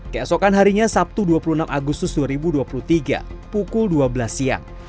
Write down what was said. keesokan harinya sabtu dua puluh enam agustus dua ribu dua puluh tiga pukul dua belas siang